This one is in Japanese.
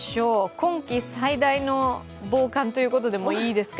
今季最大の防寒ということでいいですか？